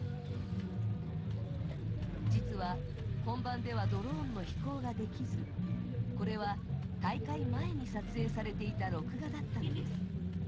実は本番ではドローンの飛行ができずこれは大会前に撮影されていた録画だったのです。